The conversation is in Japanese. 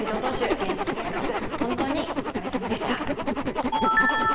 現役生活、本当にお疲れさまでした。